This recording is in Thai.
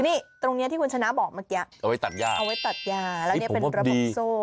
นี่ตรงนี้ที่คุณชนะบอกเมื่อกี้เอาไว้ตัดย่าเอาไว้ตัดยาแล้วเนี่ยเป็นระบบโซ่